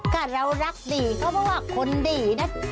ก็เรารักดีเขาบอกว่าคนดีนะ